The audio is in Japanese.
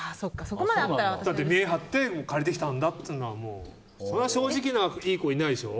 見栄張って借りてきたんだっていう正直ないい子いないでしょ。